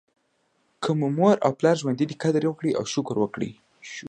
که مو مور او پلار ژوندي دي قدر یې وکړئ او شکر وکړئ.